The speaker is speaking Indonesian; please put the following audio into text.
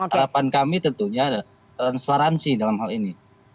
harapan kami tentunya ada transparansi dalam hal ini